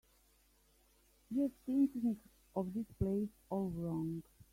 You're thinking of this place all wrong.